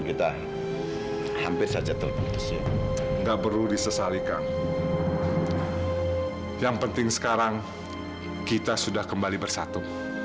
sudah hampir saja terputus enggak perlu disesalikan yang penting sekarang kita sudah kembali bersatu